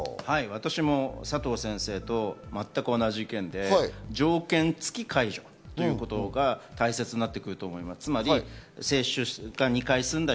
私も佐藤先生と全く同じ意見で、条件付き解除ということが大切になってくると思います。